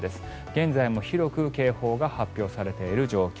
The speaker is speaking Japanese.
現在も広く警報が発表されている状況。